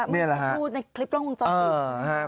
เข้าใจแล้ว